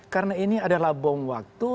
karena ini adalah bom waktu